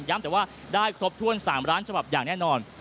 แต่ว่าได้ครบถ้วน๓ล้านฉบับอย่างแน่นอน